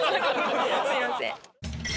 すみません。